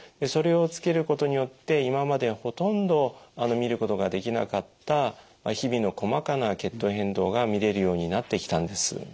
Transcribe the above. それをつけることによって今までほとんど見ることができなかった日々の細かな血糖変動が見れるようになってきたんです。